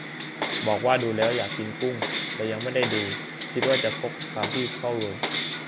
บอกว่า ดูแล้วอยากกินกุ้ง ! เรายังไม่ได้ดู - คิดว่าจะพกคาลบี้เข้าโรง